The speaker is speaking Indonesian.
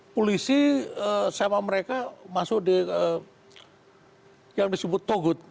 polisi sama mereka masuk di yang disebut togut